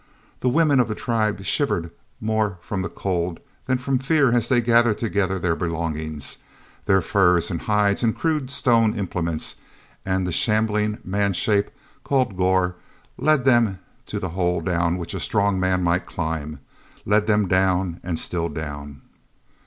The women of the tribe shivered more from the cold than from fear as they gathered together their belongings, their furs and hides and crude stone implements; and the shambling man shape, called Gor, led them to the hole down which a strong man might climb, led them down and still down....